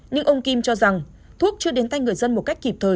nhưng ông kim cho rằng thuốc chưa đến tay người dân một cách kịp thời